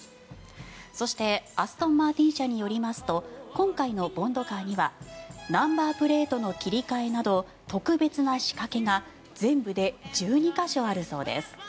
そして、アストンマーティン社によりますと今回のボンドカーにはナンバープレートの切り替えなど特別な仕掛けが全部で１２か所あるそうです。